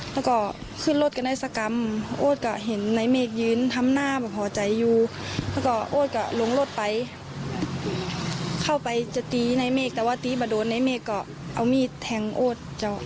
แล้วก็ขึ้นรถกันได้สักกรัมโอ๊ดก็เห็นนายเมกยืนทำหน้าแบบห่อใจอยู่แล้วก็โอ๊ดก็ลงรถไปเข้าไปจะตีนายเมกแต่ว่าตีมาโดนนายเมกก็เอามีดแทงโอ๊ด